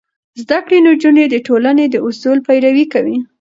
زده کړې نجونې د ټولنې د اصولو پيروي کوي.